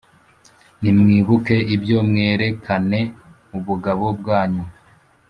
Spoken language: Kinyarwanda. Nimwibuke ibyo mwerekane ubugabo bwanyu